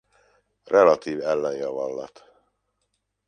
Relatív ellenjavallat